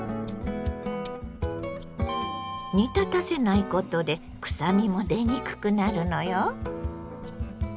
煮立たせないことでくさみも出にくくなるのよ。